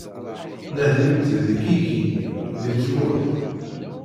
Nadimt deg yigenni, deg tmurt.